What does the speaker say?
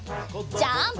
ジャンプ！